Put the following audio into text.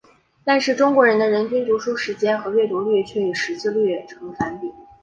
但是中国的人均读书时间的阅读率却与识字率呈反比。